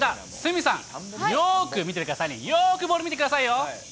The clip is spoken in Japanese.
鷲見さん、よーく見といてくださいね、よーくボール見てくださいよ。